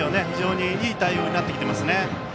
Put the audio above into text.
非常にいい対応になってきていますね。